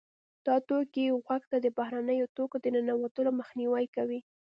دا توکي غوږ ته د بهرنیو توکو د ننوتلو مخنیوی کوي.